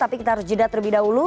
tapi kita harus jeda terlebih dahulu